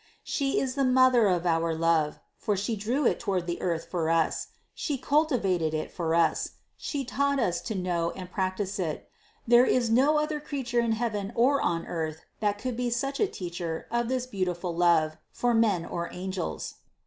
She is the Mother of our love; for She drew it toward the earth for us; She cultivated it for us; She taught us to know and practice it; there is no other creature in heaven or on earth that could be such a teacher of this beautiful love for men or angels.